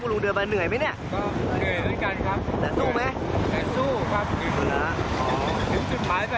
จะรู้จักเมื่อที่ฝูกอย่างนิยม